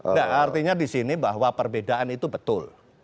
enggak artinya di sini bahwa perbedaan itu betul